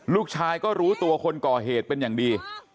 ลูกชายก็รู้ตัวคนก่อเหตุเป็นอย่างดี